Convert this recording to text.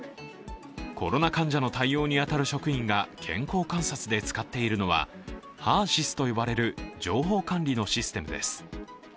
コロナ患者の対応に当たる職員が健康観察で使っているのは、ＨＥＲ−ＳＹＳと呼ばれる情報管理のシステムです。